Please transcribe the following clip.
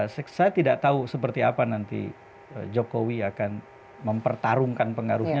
saya tidak tahu seperti apa nanti jokowi akan mempertarungkan pengaruhnya